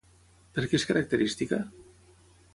Per què és característica?